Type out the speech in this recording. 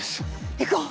行こう。